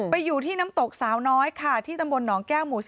อยู่ที่น้ำตกสาวน้อยค่ะที่ตำบลหนองแก้วหมู่๔